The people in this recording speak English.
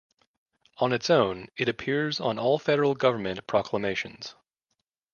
On its own, it appears on all federal government proclamations.